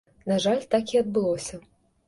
На жаль, так і адбылося.